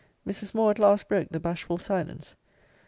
Mrs. Moore at last broke the bashful silence.